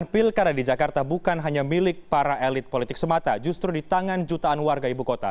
dan pilkara di jakarta bukan hanya milik para elit politik semata justru di tangan jutaan warga ibu kota